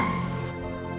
elsa mau pulang kemana